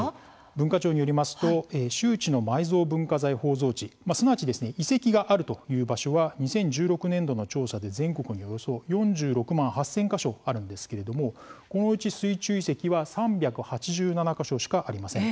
文化庁によりますと周知の埋蔵文化財包蔵地すなわち遺跡があるという場所は２０１６年度の調査で全国におよそ４６万８，０００か所あるんですけれどもこのうち水中遺跡は３８７か所しかありません。